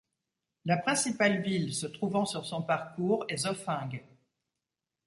La principale ville se trouvant sur son parcours est Zofingue.